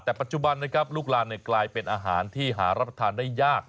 แต่ปัจจุบันนะครับลูกลานกลายเป็นอาหารที่หารับประทานได้ยาก